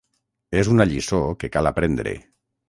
És una lliçó que cal aprendre.